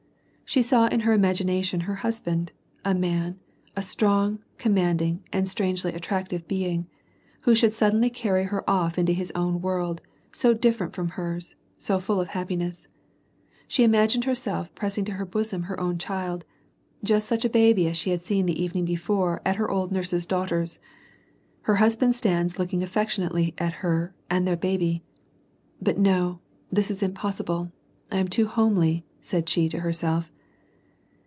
She saw in her imagination her husband : a man, a strong, commanding, and strangely attractive being, who should suddenly carry her off into his own world, so different from hers, so full of happiness. She imagined her self pressing to her bosom her own child, just such a baby as she had seen the evening before at her old nurse's daughter's. Her husband stands looking affectionately at her and at their baby ;" But no, this is impossible, I am too homely," she said to herself.